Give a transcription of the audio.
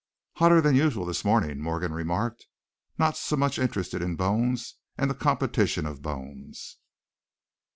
"Hotter than usual this morning," Morgan remarked, not so much interested in bones and the competition of bones.